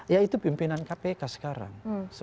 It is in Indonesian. yaitu pimpinan kpk sekarang